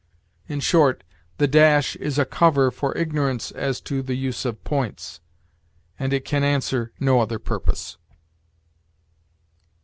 In short, 'the dash' is a cover for ignorance as to the use of points, and it can answer no other purpose."